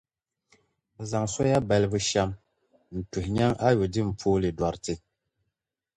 bɛ zaŋ sɔya balibu bushɛm n-tuhi nyaŋ ayodin pooli dɔriti.